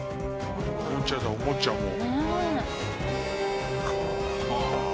おもちゃだおもちゃもう。